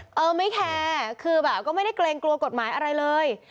เออไม่แคร์คือแบบก็ไม่ได้เกรงกลัวกฎหมายอะไรเลย